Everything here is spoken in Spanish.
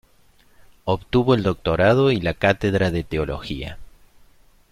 Obtuvo el doctorado y la cátedra de teología.